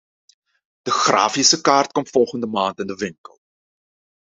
De grafische kaart komt volgende maand in de winkel.